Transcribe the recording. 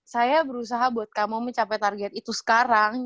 saya berusaha buat kamu mencapai target itu sekarang